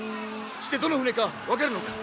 してどの船か分かるのか？